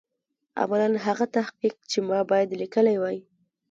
عملاً هغه تحقیق چې ما باید لیکلی وای.